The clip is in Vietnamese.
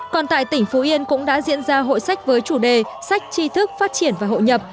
còn tại tỉnh phú yên cũng đã diễn ra hội sách với chủ đề sách tri thức phát triển và hội nhập